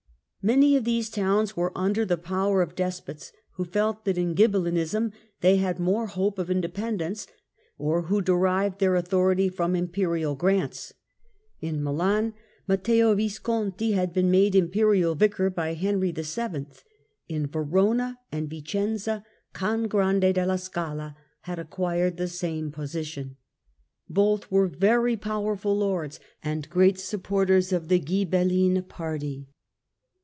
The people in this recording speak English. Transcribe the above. Many of these towns were under the power of despots, who felt that in Ghibellinism they had more hope of independence, or who derived their authority from Im perial grants. In Milan, Matteo Visconti had been made Tyrants Imperial Vicar by Henry VII. ; in Verona and Vicenza, Cangrande della Scala had acquired the same position. Both were very powerful lords and great supporters of the Ghibelline party.